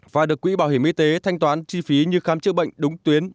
và được quỹ bảo hiểm y tế thanh toán chi phí như khám chữa bệnh đúng tuyến